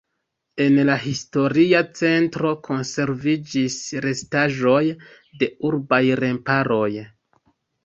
En la historia centro konserviĝis restaĵoj de urbaj remparoj.